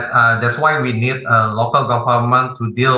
itulah sebabnya kami membutuhkan pemerintah lokal